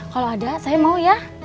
kalau ada saya mau ya